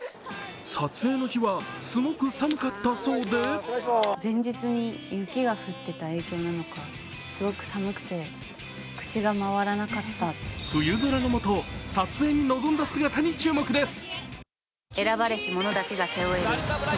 撮影の日は、すごく寒かったそうで冬空のもと、撮影に臨んだ姿に注目です。